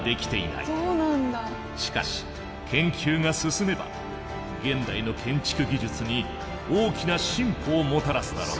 しかし研究が進めば現代の建築技術に大きな進歩をもたらすだろう。